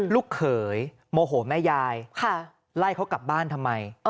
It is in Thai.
ลูกเขยโมโหแม่ยายไล่เขากลับบ้านทำไม